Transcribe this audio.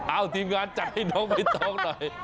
อ้าวทีมงานจัดให้น้องไม่ต้องหน่อย